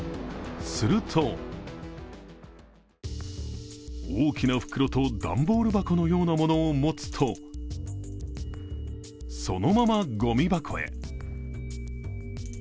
すると大きな袋と段ボール箱のようなものを持つとそのままごみ箱へ。